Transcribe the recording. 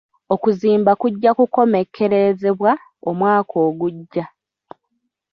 Okuzimba kujja kukomekkerezebwa omwaka ogujja.